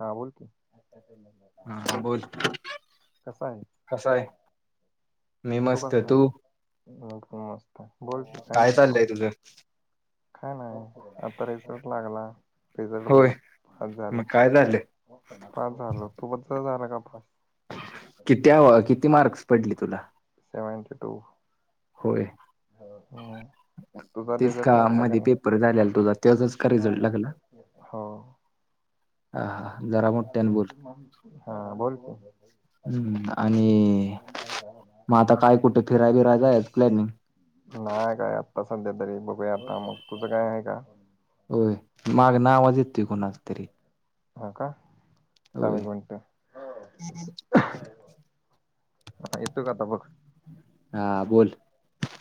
हा बोल की. हा बोल की, कसा आहे कसा आहे. मी तो मस्त कासा आहे. तू हा कुणस्थोक, बोल की काय काय म्हणतो चाललंय तुझं? काय नाही, आता रिसॉर्ट लागला, रिसॉर्ट होय बघितला, पास झालो. मग काय झालंय पाच झालो, फुकटच झाला का पास. किती आव, किती मार्क्स पडली तुला. Seventy two. होय तुझा तेच का, रिझल्ट लागला मध्ये नाही पेपर झालेला तुझा, त्याचाच का रिझल्ट लागला. हो हा-हा, जरा मोठ त्यांन बोल. हा बोलतो. हम्म आणि मग आता काय कुठे फिराय बिरायच प्लॅनिंग. नाही काय आत्ता सध्या तरी, बघूया आता, मग तुझं काय आहे का? होय, माग आवाज येतुय कोणाचा तरी. हा का, होय सामग म्हणट. ह येतो का आता बघ हा बोल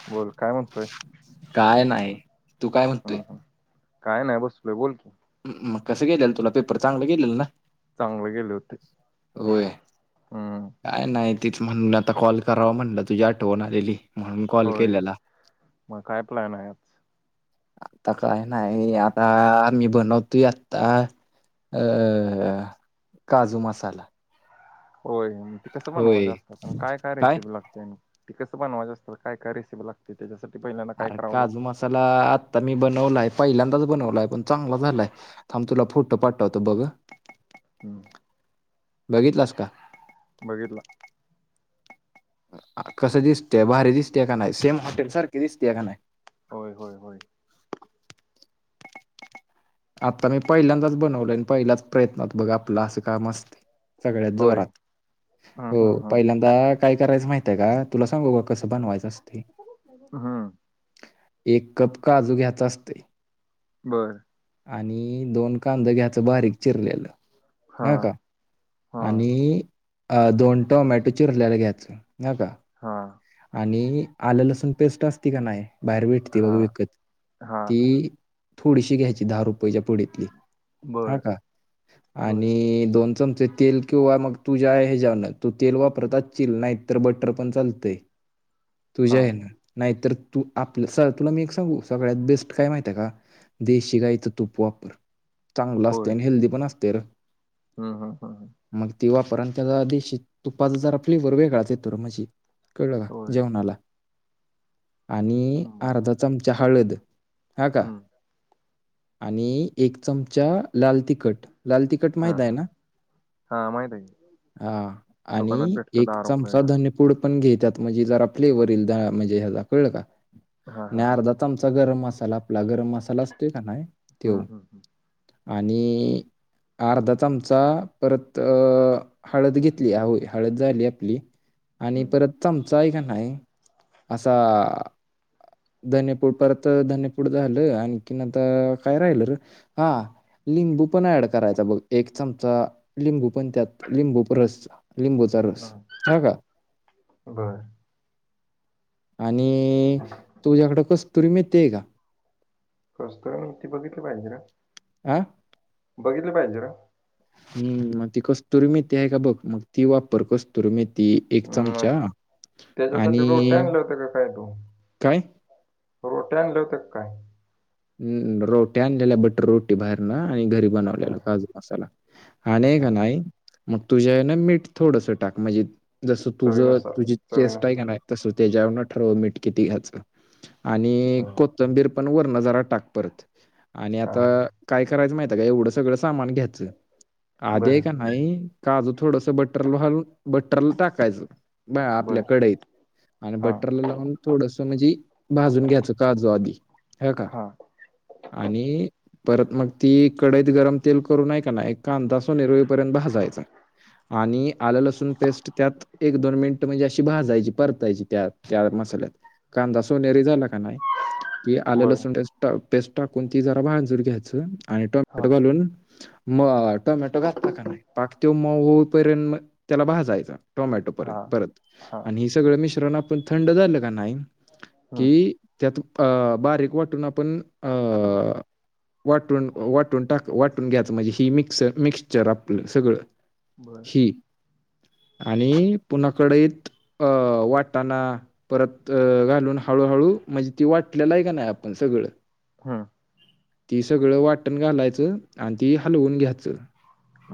बोल काय म्हणतोय काय नाही तू काय म्हणतोय हम्म, हम्म. काय नाही बसोय बोल की मग कसं गेलेल तुला पेपर चांगलं गेलेल ना चांगले गेले होते होय हम्म काय नाही तीच म्हणून आता कॉल करावा म्हणलं तुझी आठवण आलेली म्हणून कॉल होय केलेला मग काय प्लॅन आहे आज आता काय नाही आता मी बनवतोय आत्ता अ काजू मसाला होय ती कसं बनवायच होय असतं काय, काय रेसिपी लाग ते कसं बनवायं असतात काय, काय रेसिपी लागते त्याच्यासाठी पहिल्यांदा काय करावं लागतं चला आत्ता मी बनवलाय पहिल्यांदाच बनवलाय पण चांगला झालाय थांब तुला फोटो पाठतवतो होत बघ आ हम बघितलास का बघितला कसं दिसतय भारी दिसते का नाही सेम हॉटेल सारखे दिसते का नाही होय, होय, होय आता मी पहिल्यांदाच बनवलय आणि पहिलाच प्रयत्नत बघ आपलं असं काम असतंय सगळ्यात होय जोरात हम्म हो हम्म हम्म पहिल्यांदा काय करायचं माहितय का तुला सांगू का कसं बनवायचं असतय हम्म हम्म एक कप काजू घ्यायचा असतय बर आणि दोन कांदा घ्यायचं बारीक चिरलेलं हा ह का हा आणि दोन टोमॅटो चिरलेल घ्याच ह का हा आणि आलं लसूण पेस्ट असती का नाही बाहेर भेटते हा बघ विकत हा ती थोडीशी घ्यायची दहा रुपयाेच्या प पुढीतली हा बर का बर आणि दोन चमचे तेल किंवा मग तुझ्या हेज्यानं तू तेल वापरत चील नाहीत तर बटर पण चालतंय हा तुझ्या आहे ना नाहीतर तू आपलं स तुला मी एक सांगू सगळ्यात बेस्ट काय माहित आहे का देशी गायचं तूप वापर चांगलं असतय आणि हेल्दी पण असतय र ह, ह, ह मग ती वापर आणि त्याचा देशी तुपाचा जरा फ्लेवर वेगळाच येतो मझी कळलं का होय वणाला आणि बर अर्धा चम ची हळद हा का हम्म आणि एक चमचा लाल तिक कट लाल तिखट हा माहित आहे हा आहे ना हा माहित आहे की हा आणि दुकानात भेटतं एक दहा चमचा रुपयाला धने पू पुड पण घे त्यात म्हणजे जरा फ्लेवर यील म्हणजे ह कळल का हा आणि हा हा अर्धा चमचा गरम मसाला आपला गरम मसाला असतोय का नाही त्यो हम, हम आणि अर्धा चमचा परत अ हळद घेतली आव हळद झाली आपली आणि हम्म परत चमचा हाय का नाही असा धनेपूड परत धनीपूड झालं आणखीन आता काय राहिल र हा लिंबू पण ऍड करायचा बघ. एक चमचा लिंबू पण त्यात लिंबू प रस लिंबुत. हा बरं. आणि तुझ्याकडं कस्तुरी मेथीय का? कस्तुरी मी इथ बघितलं पाहिजे र. आ? बघितलं पाहिजे र. हम. मग ती कस्तुरी मिती आहे का बघ मग ती वापर कस कस्तुरी मेथी एक मग चमचा. त्याच्यासाठी आणि रोट्या आणल्या होत्या का काय तू? काय? रोट्या आणल्या होत्या का काय? हम् रोटी आणलेल्या बटर रोटी बाहेर न आणि घरी बनवलेला हां, काजू. मसाला आणि का हां. नाही मग तुझ्या हे न मीठ थोडस टाक म्हणजे जसं तुझं चवीनुसार, तुझी चेस्ट आहे का चवीनुसार. नाही? तसं त्याच्यान ठरव मीठ किती घ्यायचं आणि बरं. कोथंबीर पण वर्ण जरा टाक परत आणि आता हां. काय करायचं माहिताय काय एवढं सगळं सामान घेत च आधी आहे बरं, का नाही? काजं थोडस बटर लोहाल बट्टरला टाकायचं बा आपल्या बरं. कडईत आणि हां, बट्टरला लावून थोडस म्हणजी भाजून घ्यायचं काजू आधी ह का? हां. आणि परत मग ती कडईत गरम तेल करून हाय का नाई कांदा सोनेरई पर्यंत भाजायचा. आणि आलं लसूण पेस्ट त्यात एक दोन मिनट म्हणजे अशी भाजायची परतायची त्यात त्या मसाल्यात कांदा सोनेरी झाला का नाही कि आलं बरं. लसूण त्याज पेस्ट टाकून ती जरा भांजूर घ्यायच आणि हां, टोमॅटो घालून म टोमॅटो घातला का नाही पाक त्यो मऊ होऊपर्यंत त्याला भाजायच. टोमॅटो पर्यंत हां, परत हां. आणि हे सगळं मिश्रण आपण थंड झालं का नाही? हं. कि त्यात अ बारीक वाटून आपण अं वाटून वाटून टाक वाटून घ्यायचं म्हणजे ही मिक्सर मिक्चर आपलं सगळं. बरं. ही आणि पुन्हा कढईत अ वाटाना परत घालून हळूहळू म्हणजे ती वाटलेला आहे का नाही आपण सगळं हं. ती सगळं वाटण घालायचं आणि ती हलवून घ्याचं.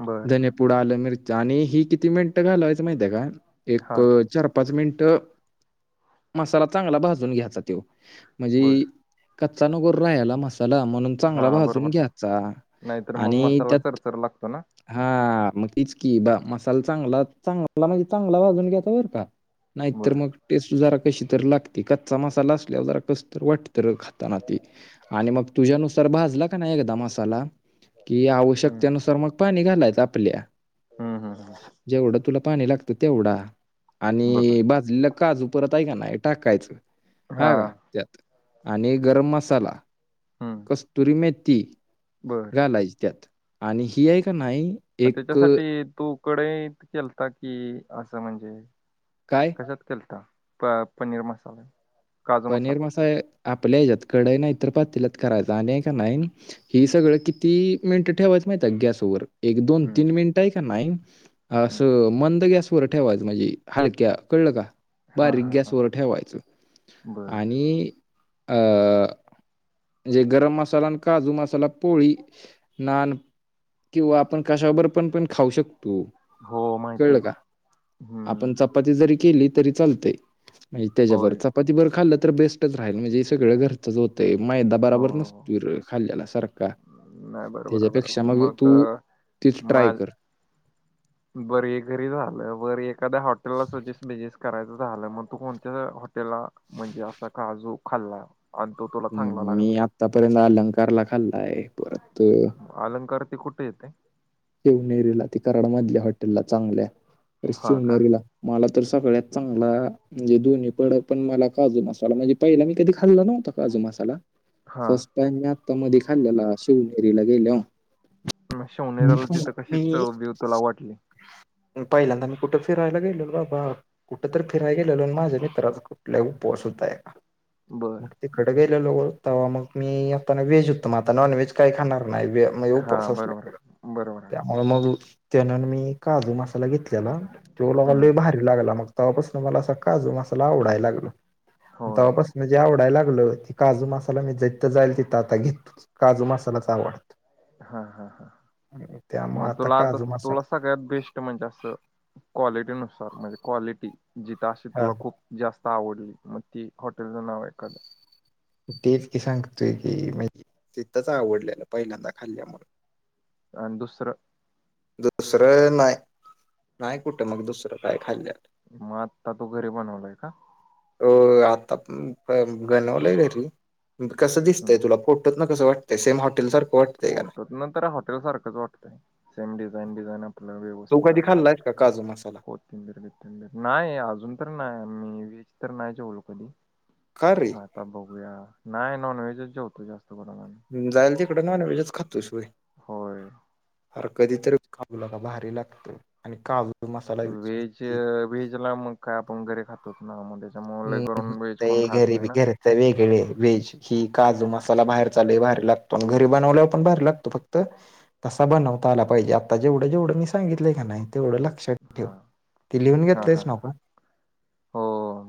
बरं. धनेपुड आलं मिरच्या आणि ही किती मिनिटं घालयचं माहितये का? एक हां, चार -पाच मिनिट - - मसाला चांगला भाजून घ्यायचा तो म्हणजे बरं. कच्चा नगोर राहायला मसाला म्हणून चांगला हां, भाजून बरोबर आहे. घ्याचा. नाहीतर मग मसाला चरचर लागतो ना? हा मग तीच की ब मसाला चांगला चांगला म्हणजे चांगला भाजून घ्याचा बर का? नाही तर बरं. मग टेस्ट जरा कशी तरी लागती कच्चा मसाला असल्यावर जरा कस तर वाटत खात आता ना ती आणि मग तुझ्यानुसार भाजला का नाही एकदा मसाला की हं. आवश्यकतेनुसार मग पाणी घालायच आपल्या. हं, हं, हं. जेवढं तुला पाणी लागतं तेवढा. बरं. आणि भाजलेला काजू परत आहे का नाही टाकायचं. हा का? हां. त्यात आणि गरम मसाला, कस्तुरी मेथी. बर. घालायच त्यात आणि हि हाय का नाही मग एक त्याच्यासाठी तु कडईत केलता कि असं म्हणजे? काय? कशात केलता प- पनीर मसाला? काजू पनीर मसाला मसाळ आपल्या ह्याच्यात कडई नाही तर पातील्यात करायचा आणि हाय का नाही हि सगळं किती मिनिटं ठेवायच माहित आहे गॅसवर? एक दोन- हम्म तीन मिनिट हाय का नाही हम्म असं मंद गॅसवर ठेवायचं म्हणजे हलक्या कळलं का? हा बारीक हा हा गॅसवर ठेवायचं. बर आणि अ म्हजे गरम मसाला आणि काजू मसाला पोळी, नान किंवा आपण कशाबर पण पण खाऊ शकतो. हो माहिती कळं आहे का? हम्म आपण चपाती जरी केली तरी चालतय. म्हजी तेज्याबर होय चपातीबर खाल्लं तर बेस्टच राहील म्हणजे ही सगळ घर चच होतय, मैदा हो बराबर नसतुय र खाल्ल्याला सारखा. नाही बरोबर आहे बरोबर त्याच्यापेक्षा मग तू अ, तेच ट्राय माझ कर. बर हे घरी झालं. बर एखादा हॉटेलला सजेस्ट- बेजेस्ट करायचं झालं मग तू कोणत्या हाॅट टेला म्हणजे असा काजू खाल्ला आणि तो त हम्म मी आत्तापर्यंत अलंकारला खाल्लाय परत अलंकार ते कुठं येतय? शिवनेरीला ते कराड मधल्या हॉटेलला चांगल्या तर हा का शिवनेरीला. मला तर सगळ्यात चांगला म्हणजे दोन्ही पड पण मला काजू मसाला म्हणजे पहिला मी कधी खाल्ला नव्हता काजू मसाला. हा फर्स्ट टाइम मी आता मधी खाल्लेला शिवनेरीला गेल्याव. मग शिवनेरीला तिथं कशीच मी चव-बिव तुला वाटली? पहिल्यांदा मी कुठ फिरायला गेलेलो बाबा, कुठं तर फिरायला गेलेलो आणि माझ्या मित्रा कुटल्या उपवास होता एका बर तिकड गेल्यालो तवा मग मी येताना व्हेज होतो. मग आता नॉनव्हेज काही खाणार नाही, व्ह हा बरोबर हाय- बरोबर हाय. मग-मग तेन आणि मी काजू मसाला घेतल्याला. त्यो मला मग हम्म लय भारी लागला. मग तवापसन मला असा काजू मसाला आवडायला लागला होय तवापस म्हणजे आवडायला लागलं की काजू मसाला मी जिथं जाईल तिथं आता घेतो. काजू मसालाच आवडतो. हा -हा- हा म त्यामुळे तुला आता काजू तुला मसाला सग बेस्ट म्हणजे असं क्वालिटीनुसार म्हणजे क्वालिटी जिथं अशी हा तुला खूप जास्त आवडली मग ती हॉटेलचं नाव एखादं. म तेच की सांगतोय की तिथंच आवडल्याल पहिल्यांदा खाल्ल्यामुळ. आणि दुसरं? दुसरं नाही, नाही कुठं मग दुसरं काय खाल्ल्याल. मग आत्ता तू घरी बनवलाय का? होय आता बन- बनवलंय घरी. कसं हम्म. दिसतय तुला फोटोतन कसं वाटतय सेम हॉटेलसारखं? फोटोतन तर हॉटेल सारखंच वाटतंय सेम डिझाईन बिझाईन आप पल तू व्यवस्थित कधी आगदी खाल्लायस का काजू मसाला होत र्य [unintelligible] नाही अजून तर नाही आम्ही व्हेज तर नाही जेवलो कधी. का रे? आता बघूया, नाही नॉन व्हेजच जेवतोय जास्त करून आम्ही. जाईल तिकड नॉन व्हेजच खातोस व्हय. होय अर कधीतरी खातो लेका भारी लागत आणि काजू मसाला व्हेज हम्म व्हेजला मग काय आपण घरी खा तोच ना म त्याच्यामुळ लई करून वेज कोण खात नाही ना. सगळी कडे वेज. ही काजू मसाला बाहेरचा लई भारी लागतो आणि घरी बनवल्यावर पण बाहेर लागतो फक्त तसा बनवता आला पाहिजे आता जेवढं जेवढं मी सांगितलय का नाही तेवढं लाग हा, हा हा हा, आपण हो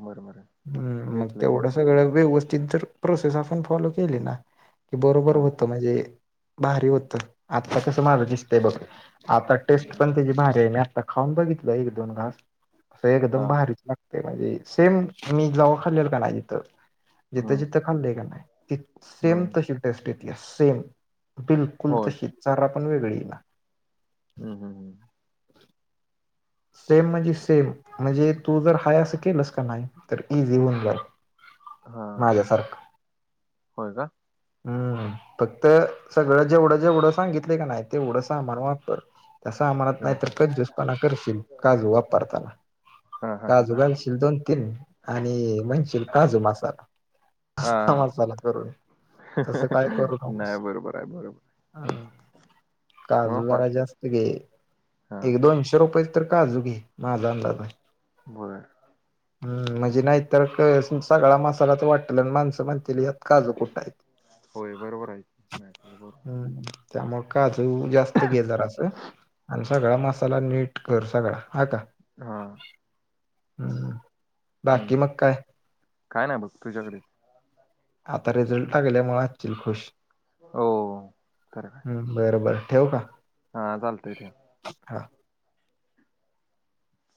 बरोबर हाय. हम् मग तेवढं सगळं व्यवस्थित तर प्रोसेस आपण फॉलो केली ना. की बरोबर हा होत म्हणजे, भारी होतं, आता कसं माझं दिसतंय बघ. आता टेस्ट पण त्याजी भारी आहे मी आता खाऊन बघितलं एक दोन घास. असं हा एकदम भारीच लागतय म्हणजे सेम मी जवा खाल्लेल का नाही तिथं जिथं हम्म जिथं खाल्ले का नाही, ति सेम हम्म तशी टेस्ट येत्या सेम. बिलकुल होय तशी जरा पण वेगळी ईना. हम्म हम्म हम. सेम म्हणजे सेम म्हणजे तू जर हाय असं केलस का नाही. तर इझी होऊन जाईल, हा माझ्यासारखं. होय का हम्म. फक्त, सगळं जेवढं जेवढं सांगितलं का नाही तेवढं समान वापर. त्या सामानात हा नाही तर हा क्जूसपणा करशील काजू वापरताना. हा हा काजू हा घालशील दोन तीन, आणि म्हणशील काजू मसाला. हा मासाला करून, तसं काय करू नाही नकोस. बरोबर आहे बरोबर हा, मग काजू पा जरा जास्त घे, हा एक दोनशे रुपय तर काजू घे माझा अंदाज हाय. बरं. हम् म्हणजे नाही तर क सगळा मसालाच वाटल अन् माणसं म्हण तील यात काजू कुठ आहे, होय बरोबर आहे नाही तर बरोबर हम्. त्यामुळे काजू जास्त घे जरास, आणि सगळा मसाला नीट कर सगळा हा का? हा. हम्, बाकी हम्म मग काय? काय नाय बघ तुझ्याकडे? आता रिझल्ट लागल्यामुळ आचील खुश. हो, खर का? हम्म बर बर ठेऊ का? हा चालतय ठेव. हा.